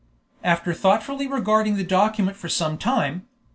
After thoughtfully regarding the document for some time.